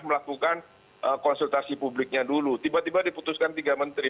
karena kita sudah melakukan konsultasi publiknya dulu tiba tiba diputuskan tiga menteri